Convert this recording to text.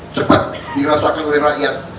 cepat dirasakan oleh rakyat